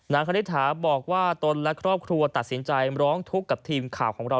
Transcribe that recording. คณิตหาบอกว่าตนและครอบครัวตัดสินใจร้องทุกข์กับทีมข่าวของเรา